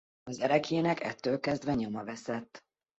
Az ereklyének ettől kezdve nyoma veszett.